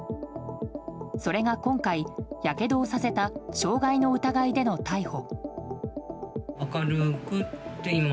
それが今回は、やけどをさせた傷害の疑いでの逮捕。